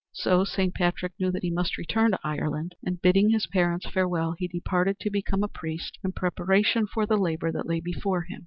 So Saint Patrick knew that he must return to Ireland, and, bidding his parents farewell, he departed to become a priest in preparation for the labor that lay before him.